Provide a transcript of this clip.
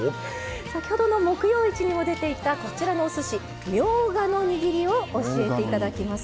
先ほどの木曜市にも出ていたこちらのおすしみょうがのにぎりを教えていただきます。